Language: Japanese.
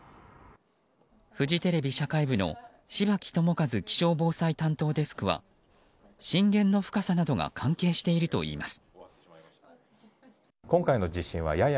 フジテレビ社会部の柴木友和気象防災担当デスクは震源の深さなどが関係しているといいます。